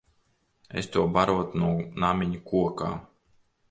Es to barotu no namiņa kokā.